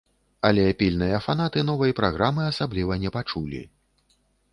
Але пільныя фанаты новай праграмы асабліва не пачулі.